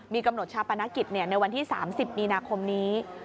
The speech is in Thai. มีกำหนดชาปนกิจในวันที่๓๐มีนาคมนี้